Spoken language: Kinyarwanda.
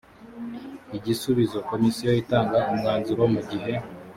igisubizo komisiyo itanga umwanzuro mu gihe